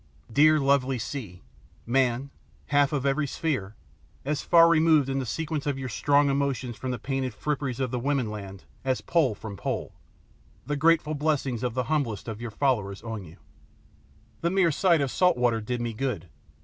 Dear, lovely sea, man half of every sphere, as far removed in the sequence of your strong emotions from the painted fripperies of the woman land as pole from pole the grateful blessing of the humblest of your followers on you! The mere sight of salt water did me good.